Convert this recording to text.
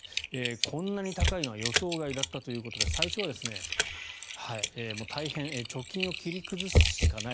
こんなに高いのは予想外だったということで最初は大変貯金を切り崩すしかない。